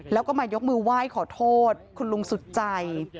แล้วก็มายกมือไหว้ขอโทษคุณลุงสุดใจ